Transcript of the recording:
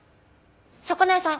魚屋さん？